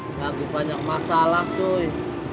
gak ada banyak masalah coy